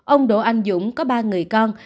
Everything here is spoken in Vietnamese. ông đỗ anh dũng có ba người con